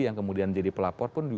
yang kemudian jadi pelapor pun